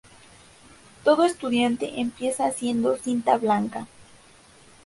Todo estudiante empieza siendo cinta blanca.